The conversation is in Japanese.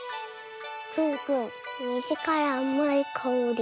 くんくんにじからあまいかおり。